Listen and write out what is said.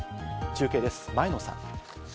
中継です、前野さん。